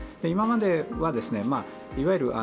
今まではいわゆる